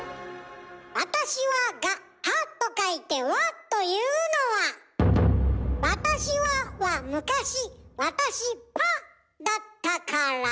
「私は」が「は」と書いて「わ」というのは「私は」は昔「私ぱ」だったから。